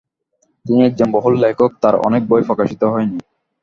তিনি একজন বহুল লেখক, তাঁর অনেক বই প্রকাশিত হয়নি।